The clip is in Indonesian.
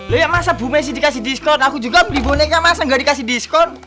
lihat masa bu messi dikasih diskon aku juga beli boneka masa nggak dikasih diskon